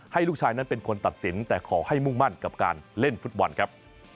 ให้ลูกชายนั้นเป็นคนตัดสินแต่ขอให้มุ่งมั่นกับการเล่นฟุตบอลครับ